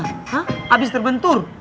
hah abis terbentur